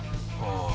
ああ